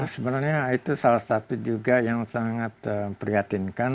sebenarnya itu salah satu juga yang sangat memprihatinkan